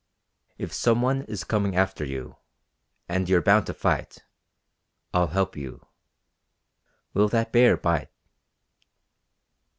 If some one is coming after you, and you're bound to fight. I'll help you. Will that bear bite?"